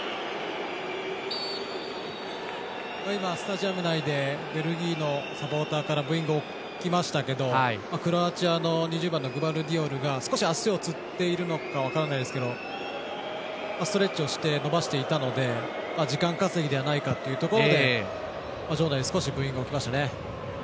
スタジアム内でベルギーのサポーターからブーイング起きましたけどクロアチアの２０番のグバルディオルが少し足をつっているのか分からないですけどストレッチをして伸ばしていたので時間稼ぎではないかというところで場内、ブーイング起きましたね。